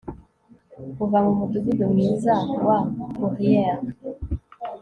Kuva mu mudugudu mwiza wa Pourrière